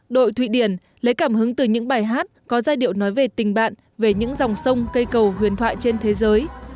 đội thụy điển lấy cảm hứng từ những bài hát có giai điệu nói về tình bạn về những dòng sông cây cầu huyền thoại trên thế giới